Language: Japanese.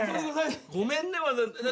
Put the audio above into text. ごめんねわざわざ。